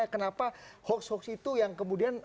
kenapa hoax hoax itu yang kemudian